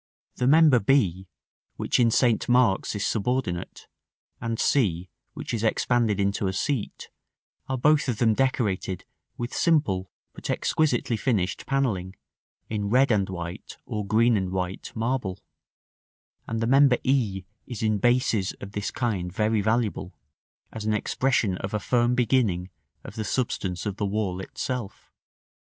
The member b, which in St. Mark's is subordinate, and c, which is expanded into a seat, are both of them decorated with simple but exquisitely finished panelling, in red and white or green and white marble; and the member e is in bases of this kind very valuable, as an expression of a firm beginning of the substance of the wall itself.